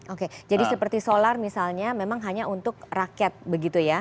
oke jadi seperti solar misalnya memang hanya untuk rakyat begitu ya